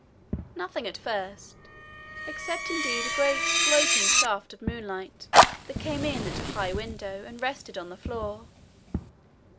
Nothing at first except indeed a great sloping shaft of moonlight that came in at a high window, and rested on the floor.